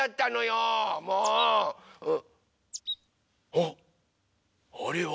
・あっあれは。